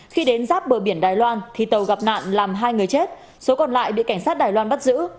khi đến giáp bờ biển đài loan thì tàu gặp nạn làm hai người chết số còn lại bị cảnh sát đài loan bắt giữ